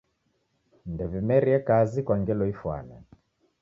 Ndew'imerie kazi kwa ngelo ifwane.